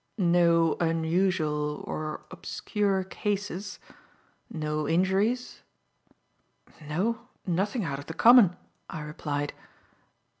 "No unusual or obscure cases? No injuries?" "No, nothing out of the common," I replied.